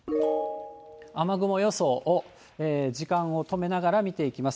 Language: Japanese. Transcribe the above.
雨雲予想を、時間を止めながら見ていきます。